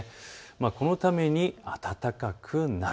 このために暖かくなる。